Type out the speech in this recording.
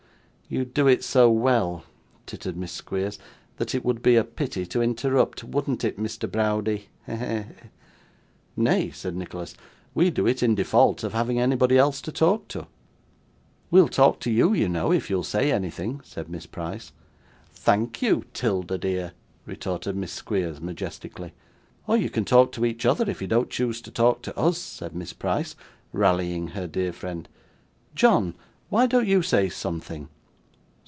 'You do it so well,' tittered Miss Squeers, 'that it would be a pity to interrupt, wouldn't it, Mr. Browdie? He! he! he!' 'Nay,' said Nicholas, 'we do it in default of having anybody else to talk to.' 'We'll talk to you, you know, if you'll say anything,' said Miss Price. 'Thank you, 'Tilda, dear,' retorted Miss Squeers, majestically. 'Or you can talk to each other, if you don't choose to talk to us,' said Miss Price, rallying her dear friend. 'John, why don't you say something?